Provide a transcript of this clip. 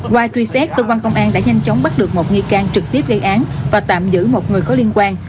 qua truy xét cơ quan công an đã nhanh chóng bắt được một nghi can trực tiếp gây án và tạm giữ một người có liên quan